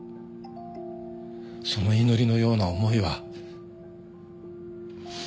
その祈りのような思いは。